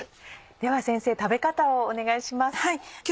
では先生食べ方をお願いします。